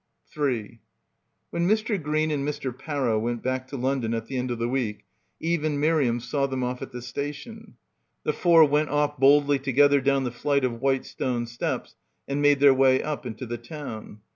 3 When Mr. Green and Mr. Parrow went back to London at the end of the week Eve and Miriam saw them off at the station. The four went off boldly together down the flight of white stone steps and made their way up into the town.